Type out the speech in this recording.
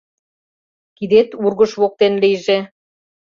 Кидет ургыш воктен лийже!